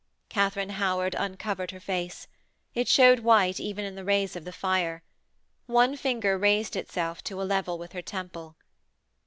Katharine Howard uncovered her face; it shewed white even in the rays of the fire. One finger raised itself to a level with her temple.